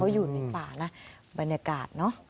อยู่ในป่านะบรรยากาศเนอะ